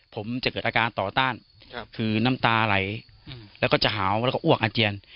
ผมจะเกิดอาการต่อต้านคือน้ำตาไหลแล้วก็จะหาวแล้วก็อ้วกอาเจียน